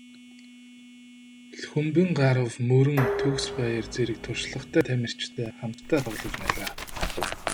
Лхүмбэнгарав, Мөрөн, Төгсбаяр зэрэг туршлагатай тамирчидтай хамтдаа тоглож байлаа.